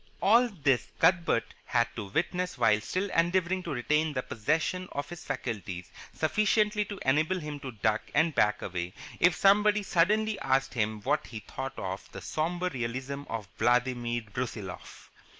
All this Cuthbert had to witness while still endeavouring to retain the possession of his faculties sufficiently to enable him to duck and back away if somebody suddenly asked him what he thought of the sombre realism of Vladimir Brusiloff.